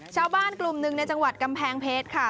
ชาวบ้านกลุ่มหนึ่งในจังหวัดกำแพงเพชรค่ะ